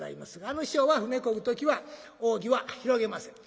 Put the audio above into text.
あの師匠は船こぐ時は扇は広げません。